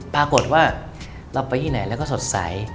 ปรากฏว่าเราไปที่ไหนแล้วก็สดใส